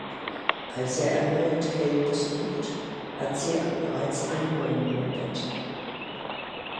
Als er erneut Kate besucht, hat sie bereits einen neuen Mann im Bett.